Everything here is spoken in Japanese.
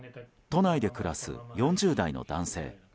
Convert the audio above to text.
都内で暮らす４０代の男性。